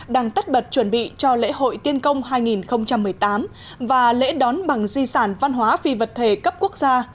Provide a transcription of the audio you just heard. đang tất bật chuẩn bị cho lễ hội tiên công hai nghìn một mươi tám và lễ đón bằng di sản văn hóa phi vật thể cấp quốc gia